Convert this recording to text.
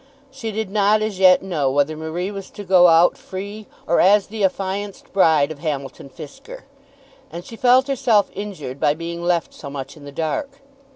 She did not as yet know whether Marie was to go out free or as the affianced bride of Hamilton Fisker. And she felt herself injured by being left so much in the dark.